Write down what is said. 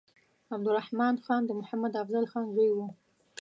عبدالرحمن خان د محمد افضل خان زوی وو.